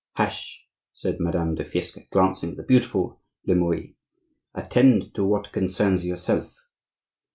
"Hush!" said Madame de Fiesque glancing at the beautiful Limueil. "Attend to what concerns yourself."